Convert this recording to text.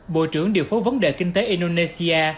bộ trưởng điều phố vấn đề kinh tế indonesia